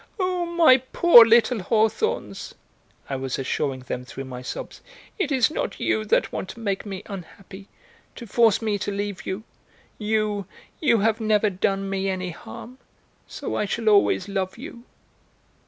"Oh, my poor little hawthorns," I was assuring them through my sobs, "it is not you that want to make me unhappy, to force me to leave you. You, you have never done me any harm. So I shall always love you."